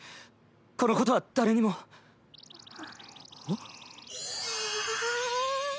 このことは誰にも。あっ？ああ！